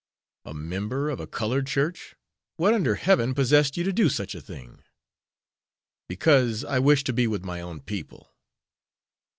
"A member of a colored church? What under heaven possessed you to do such a thing?" "Because I wished to be with my own people."